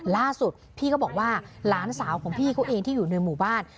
ล่าสุดพี่ก็บอกว่าหลานสาวของพี่เขาเองที่อยู่ในหมู่บ้าน